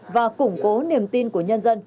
và củng cố niềm tin của nhân dân